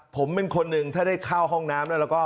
ผมเป็นคนหนึ่งถ้าได้เข้าห้องน้ำแล้วก็